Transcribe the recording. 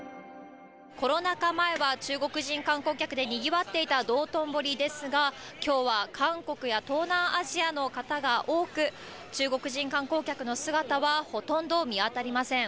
コロナ禍前は中国人観光客でにぎわっていた道頓堀ですが、きょうは韓国や東南アジアの方が多く、中国人観光客の姿はほとんど見当たりません。